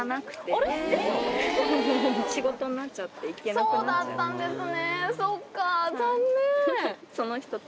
そうだったんですね。